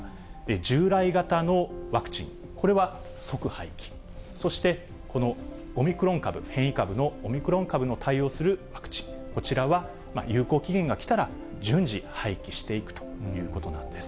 従来型のワクチン、これは即廃棄、そしてこのオミクロン株、変異株のオミクロン株の対応するワクチン、こちらは有効期限が来たら順次廃棄していくということなんです。